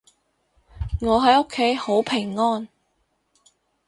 我喺屋企好平安